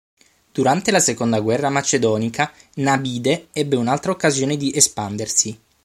Durante la seconda guerra macedonica, Nabide ebbe un'altra occasione di espandersi.